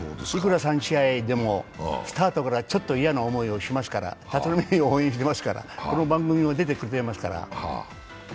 いくら３試合でもスタートからちょっと嫌な思いをしますから立浪を応援していますからこの番組も出てくれていますから。